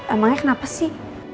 emangnya kenapa sih